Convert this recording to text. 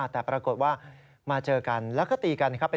แต่ปรากฏว่ามาเจอกันแล้วก็ตีกันครับ